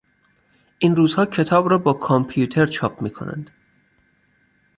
این روزها کتاب را با کامپیوتر چاپ میکنند.